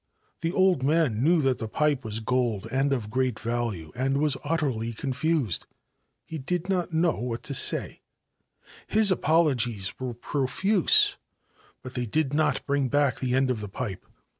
The old r knew that the pipe was gold and of great value, ; was utterly confused. He did not know what to < His apologies were profuse ; but they did not bring b the end of the pipe.